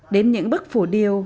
đến những bức phủ điêu